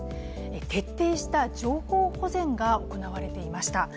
徹底した情報保全が行われていました。